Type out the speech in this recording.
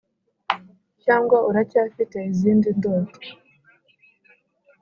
cyangwa uracyafite izindi ndoto?